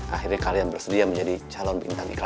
akhirnya kalian bersedia menjadi calon bintang iklan